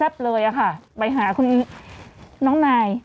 จริง